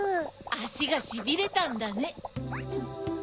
あしがしびれたんだね。